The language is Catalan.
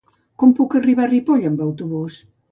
Com puc arribar a Ripoll amb autobús?